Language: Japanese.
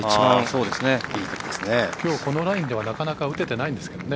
きょう、このラインではなかなか打ててないんですけどね。